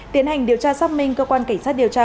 tiến hành điều tra xác minh cơ quan cảnh sát điều tra